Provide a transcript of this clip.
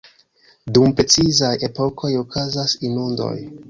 Dum precizaj epokoj okazas inundoj.